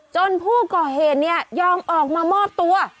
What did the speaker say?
ผู้ก่อเหตุเนี่ยยอมออกมามอบตัว